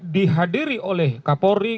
dihadiri oleh kapolri